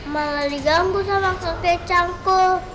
malah diganggu sama kepecanku